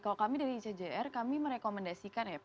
kalau kami dari icjr kami merekomendasikan ya pak